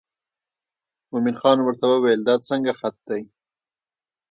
مومن خان ورته وویل دا څنګه خط دی.